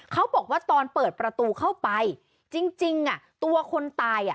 เขาบอกว่าตอนเปิดประตูเข้าไปจริงอ่ะตัวคนตายอ่ะ